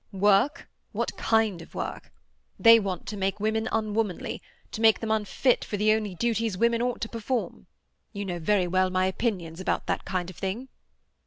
"Work? What kind of work? They want to make women unwomanly, to make them unfit for the only duties women ought to perform. You know very well my opinions about that kind of thing."